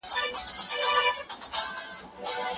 موږ په هېواد کي منصفانه او معقولې خبري ته اړتیا لرو.